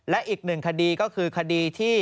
และอีกหนึ่งคดีก็คือคดีที่